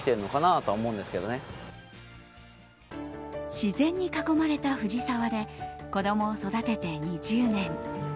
自然に囲まれた藤沢で子供を育てて２０年。